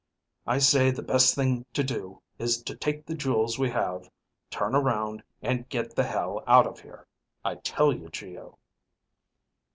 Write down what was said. I say the best thing to do is take the jewels we have, turn around, and get the hell out of here. I tell you, Geo...."